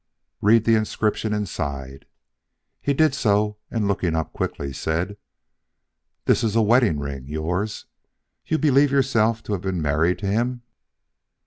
"Read the inscription inside." He did so, and looking quickly up, said: "This is a wedding ring! Yours! You believe yourself to have been married to him."